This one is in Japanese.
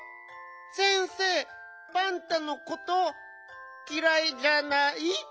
先生パンタのこときらいじゃない？